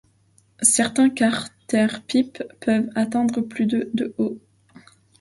Certains quarter-pipes peuvent atteindre plus de de haut.